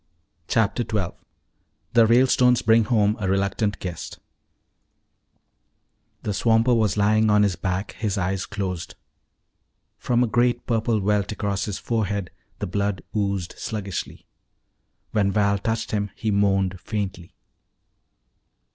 CHAPTER XII THE RALESTONES BRING HOME A RELUCTANT GUEST The swamper was lying on his back, his eyes closed. From a great purple welt across his forehead the blood oozed sluggishly. When Val touched him he moaned faintly.